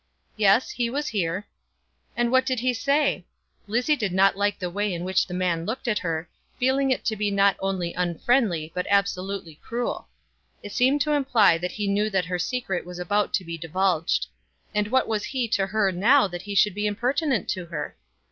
"Yes, he was here." "And what did he say?" Lizzie did not like the way in which the man looked at her, feeling it to be not only unfriendly, but absolutely cruel. It seemed to imply that he knew that her secret was about to be divulged. And what was he to her now that he should be impertinent to her?